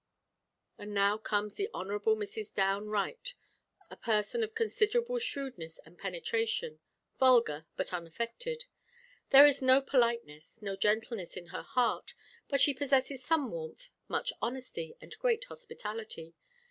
And now comes the Hon. Mrs. Downe Wright, a person of considerable shrewdness and penetration vulgar, but unaffected. There is no politeness, no gentleness in her heart; but she possesses some warmth, much honesty, and great hospitality.